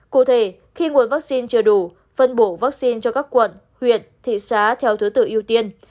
cụ thể khi nguồn vaccine chưa đủ phân bổ vaccine cho các quận huyện thị xã theo thứ tự ưu tiên